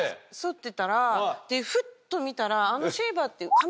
フッと見たらあのシェーバーって。